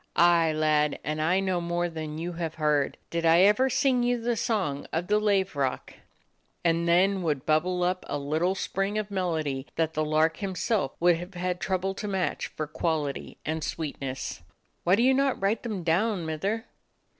Aye, lad, and I know more than you have heard. Did I ever sing you the song of the laverock?" 66 A DOG OF THE ETTRICK HILLS And then would bubble up a little spring of melody that the lark himself would have had trouble to match for quality and sweet ness. "Why do you not write them down, Mither?"